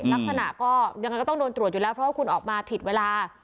ลักษณะก็ยังไงก็ต้องโดนตรวจอยู่แล้วเพราะว่าคุณออกมาผิดเวลา